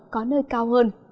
có nơi cao hơn